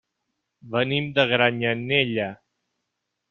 Venim de Granyanella.